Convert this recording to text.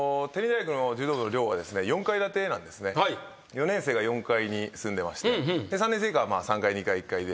４年生が４階に住んでまして３年生以下は３階２階１階で。